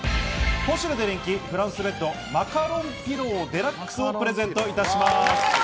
ポシュレで人気、「フランスベッドマカロンピローデラックス」をプレゼントいたします。